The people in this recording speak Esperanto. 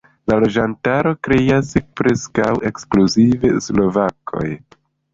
La loĝantaron kreas preskaŭ ekskluzive slovakoj.